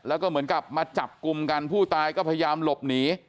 แล้วก็เหมือนกับมาจับกลุ่มกันผู้ตายก็พยายามหลบหนี